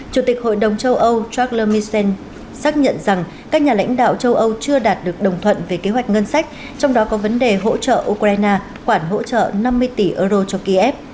chủ tịch hội đồng châu âu charles michel xác nhận rằng các nhà lãnh đạo châu âu chưa đạt được đồng thuận về kế hoạch ngân sách trong đó có vấn đề hỗ trợ ukraine khoản hỗ trợ năm mươi tỷ euro cho kiev